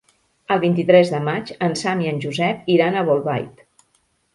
El vint-i-tres de maig en Sam i en Josep iran a Bolbait.